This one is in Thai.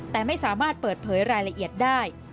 แต่ไม่สามารถเปิดเผยรายละเอียดได้